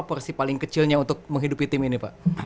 porsi paling kecilnya untuk menghidupi tim ini pak